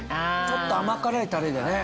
ちょっと甘辛いたれだよね。